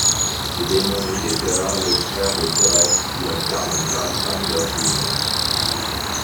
C'est Damon Whitaker, le frère de Forest, qui incarne Charlie Parker plus jeune.